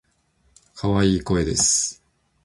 可愛い声です。